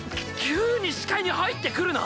急に視界に入ってくるな！